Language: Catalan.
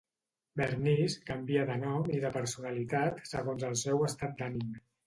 Bernice canvia de nom i de personalitat segons el seu estat d'ànim.